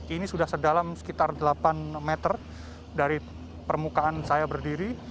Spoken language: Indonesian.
ini sudah sedalam sekitar delapan meter dari permukaan saya berdiri